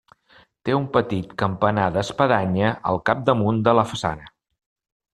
Té un petit campanar d'espadanya al capdamunt de la façana.